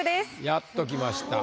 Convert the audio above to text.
やっときました。